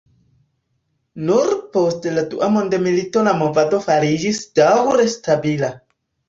Nur post la dua mondmilito la movado fariĝis daŭre stabila.